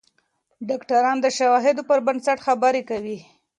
ډاکتران د شواهدو پر بنسټ خبرې کوي.